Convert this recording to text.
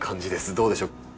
どうでしょう？